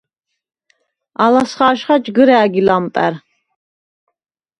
ალას ხაჟხა ჯგჷრა̄̈გი ლამპა̈რ.